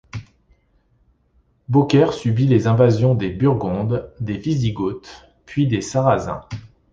Beaucaire subit les invasions des Burgondes, des Wisigoths, puis des Sarrasins.